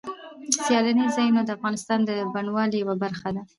سیلاني ځایونه د افغانستان د بڼوالۍ یوه برخه ده.